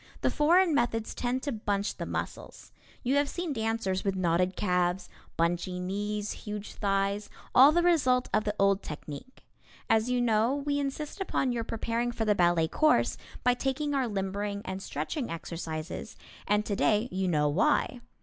The foreign methods tend to bunch the muscles. You have seen dancers with knotted calves, bunchy knees, huge thighs, all the result of the old technique. As you know, we insist upon your preparing for the ballet course by taking our limbering and stretching exercises, and today you know why.